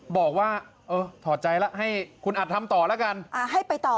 บอกว่าถอดใจแล้วให้คุณอัดทำต่อ